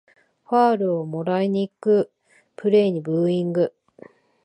ファールをもらいにいくプレイにブーイング